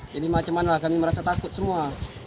jadi bagaimana kami merasa takut semua